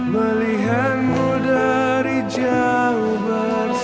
jauh bersama dia